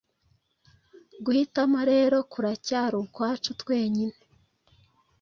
Guhitamo rero kuracyari ukwacu twenyine.